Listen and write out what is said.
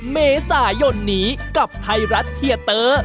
เมษายนนี้กับไทยรัฐเทียเตอร์